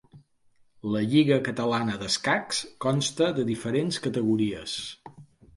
La Lliga Catalana d'Escacs consta de diferents categories.